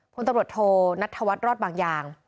พลตำรวจโทนัทธวัฒน์รอดบางอย่าง